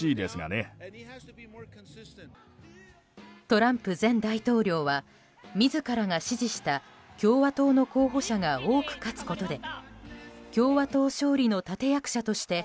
トランプ前大統領は自らが支持した共和党の候補者が多く勝つことで共和党勝利の立役者として